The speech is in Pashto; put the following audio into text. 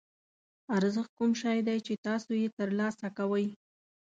ارزښت کوم شی دی چې تاسو یې ترلاسه کوئ.